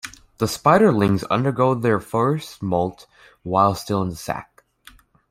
The spiderlings undergo their first molt while still in the sac.